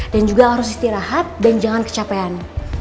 dan juga harus istirahat dan jangan kecapean